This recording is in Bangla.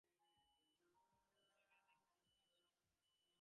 ঘুরে ঘেরে দেখছি, হয়ে যাবে, ভয় কী।